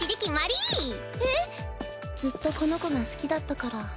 ずっとこの子が好きだったから。